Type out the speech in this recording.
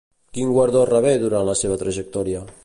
Quin guardó rebé durant la seva trajectòria?